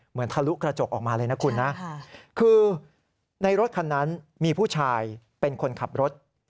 ทะลุกระจกออกมาเลยนะคุณนะคือในรถคันนั้นมีผู้ชายเป็นคนขับรถ